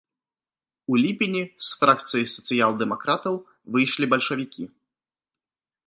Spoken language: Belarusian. У ліпені з фракцыі сацыял-дэмакратаў выйшлі бальшавікі.